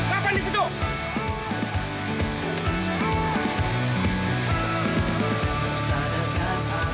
kenapa lo disitu